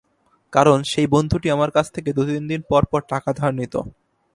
কারণ, সেই বন্ধুটি আমার কাছ থেকে দু-তিন দিন পরপর টাকা ধার নিত।